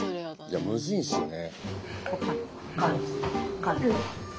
いやむずいんすよね。